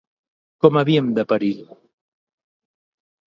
Com havien de perir?